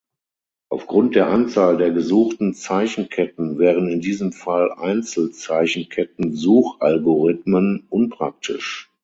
Aufgrund der Anzahl der gesuchten Zeichenketten wären in diesem Fall Einzel-Zeichenketten-Such-Algorithmen unpraktisch.